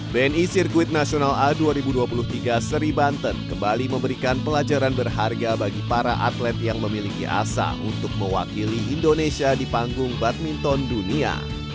bni sirkuit nasional a dua ribu dua puluh tiga seri banten kembali memberikan pelajaran berharga bagi para atlet yang memiliki asa untuk mewakili indonesia di panggung badminton dunia